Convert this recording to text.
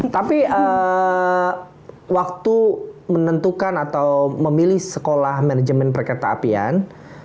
tapi waktu menentukan atau memilih sekolah manajemen perkereta apian